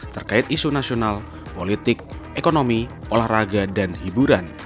terkait isu nasional politik ekonomi olahraga dan hiburan